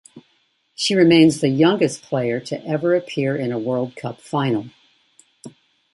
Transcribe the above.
She remains the youngest player ever to appear in a World Cup Final.